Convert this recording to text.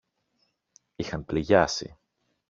είχαν πληγιάσει.